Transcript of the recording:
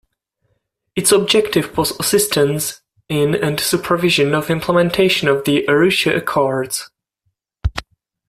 Its objective was assistance in and supervision of implementation of the Arusha Accords.